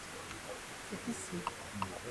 C’est ici.